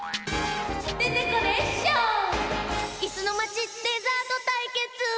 「いすのまちデザートたいけつ」！